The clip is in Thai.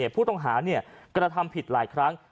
ผู้ต้องหากระทำผิดหลายครั้ง